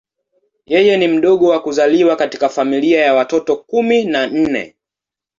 Yeye ni mdogo kwa kuzaliwa katika familia ya watoto kumi na nne.